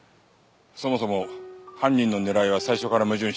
そもそも犯人の狙いは最初から矛盾していた。